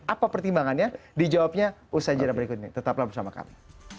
apa pertimbangannya dijawabnya usai jadwal berikut ini tetaplah bersama kami